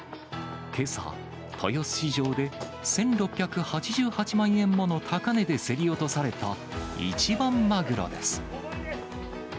けさ、豊洲市場で１６８８万円もの高値で競り落とされた一番マグロです。